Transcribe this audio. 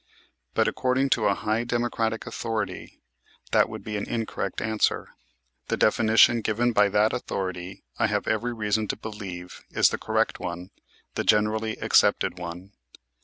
But, according to a high Democratic authority, that would be an incorrect answer. The definition given by that authority I have every reason to believe is the correct one, the generally accepted one.